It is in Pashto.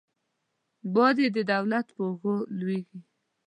بار یې د دولت پر اوږو لویږي.